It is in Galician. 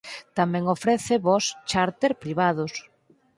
Tamén ofrece voos chárter privados.